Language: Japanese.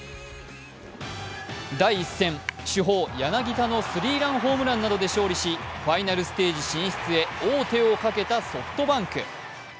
第１戦、主砲・柳田のスリーランホームランなどで勝利しファイナルステージ進出へ王手をかけたソフトバンク。